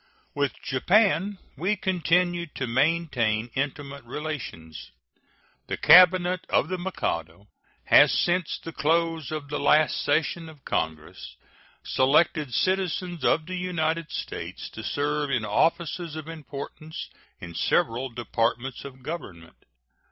With Japan we continue to maintain intimate relations. The cabinet of the Mikado has since the close of the last session of Congress selected citizens of the United States to serve in offices of importance in several departments of Government.